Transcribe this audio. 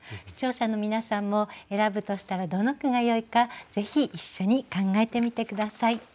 視聴者の皆さんも選ぶとしたらどの句がよいかぜひ一緒に考えてみて下さい。